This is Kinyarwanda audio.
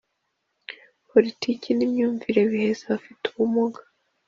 Politiki n imyumvire biheza abafite ubumuga